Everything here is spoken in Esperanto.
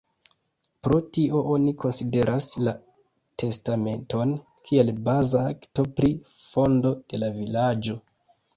Pro tio oni konsideras la testamenton kiel baza akto pri fondo de la vilaĝo.